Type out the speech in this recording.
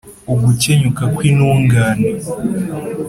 Ugukenyuka kw’intungane